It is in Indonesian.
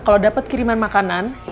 kalau dapat kiriman makanan